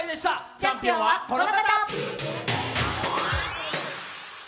チャンピオンは、この方。